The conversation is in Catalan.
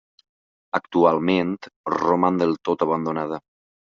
Actualment roman del tot abandonada.